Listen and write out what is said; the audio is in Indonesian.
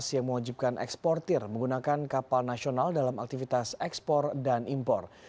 yang mewajibkan eksportir menggunakan kapal nasional dalam aktivitas ekspor dan impor